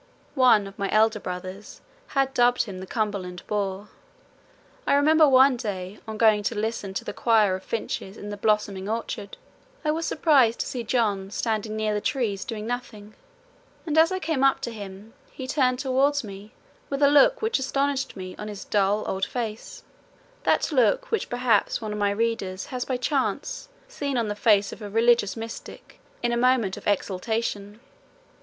One of my elder brothers had dubbed him the "Cumberland boor." I remember one day on going to listen to the choir of finches in the blossoming orchard, I was surprised to see John standing near the trees doing nothing, and as I came up to him he turned towards me with a look which astonished me on his dull old face that look which perhaps one of my readers has by chance seen on the face of a religious mystic in a moment of exaltation.